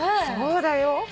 そうだよ。